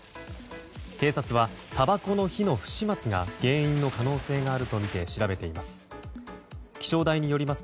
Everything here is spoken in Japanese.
警察は、たばこの火の不始末が原因の可能性があるとみて調べています。